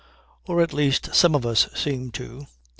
"Or at least some of us seem to.